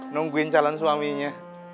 nungguin calon suaminya